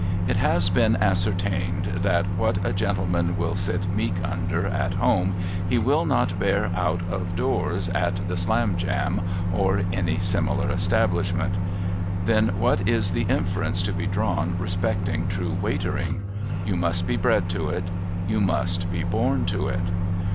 It has been ascertained that what a gendeman will sit meek under, at home, he will not bear out of doors, at the Slamjam or any similar establishment. Then, what is the inference to be drawn respecting true Waitering ? You must be bred to it. You must be born to it.